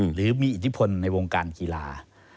หรือมีอิทธิพลในวงการกีฬา